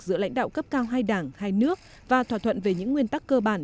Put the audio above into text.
giữa lãnh đạo cấp cao hai đảng hai nước và thỏa thuận về những nguyên tắc cơ bản